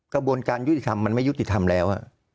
กระบวนการยุติธรรมมันไม่ยุติธรรมแล้ว